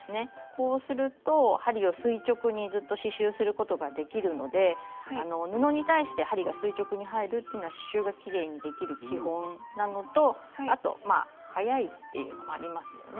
こうすると針を垂直にずっと刺しゅうすることができるので布に対して針が垂直に入るっていうのは刺しゅうがきれいにできる基本なのとあと早いっていうのもありますよね。